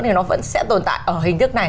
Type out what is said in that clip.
thì nó vẫn sẽ tồn tại ở hình thức này